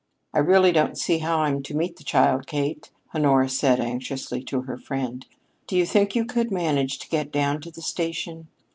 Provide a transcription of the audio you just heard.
"I really don't see how I'm to meet the child, Kate," Honora said anxiously to her friend. "Do you think you could manage to get down to the station?"